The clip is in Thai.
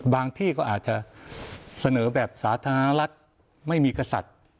ที่ก็อาจจะเสนอแบบสาธารณรัฐไม่มีกษัตริย์